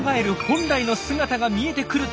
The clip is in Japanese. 本来の姿が見えてくる！